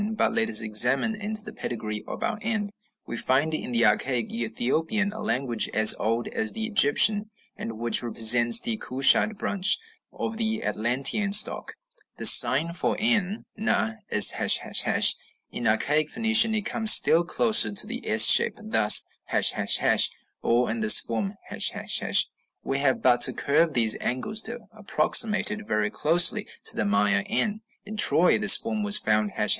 But let us examine into the pedigree of our n. We find in the archaic Ethiopian, a language as old as the Egyptian, and which represents the Cushite branch of the Atlantean stock, the sign for n (na) is ###; in archaic Phoenician it comes still closer to the S shape, thus, ###, or in this form, ###; we have but to curve these angles to approximate it very closely to the Maya n; in Troy this form was found, ###.